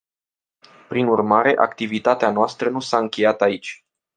Prin urmare, activitatea noastră nu s-a încheiat aici.